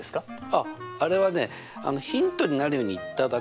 あっあれはねヒントになるように言っただけで。